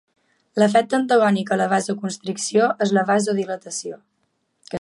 L'efecte antagònic a la vasoconstricció és la vasodilatació.